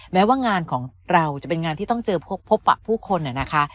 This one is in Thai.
แม้ว่างานของเราจะเป็นงานที่ต้องเจอพบปะผู้คนนะคะ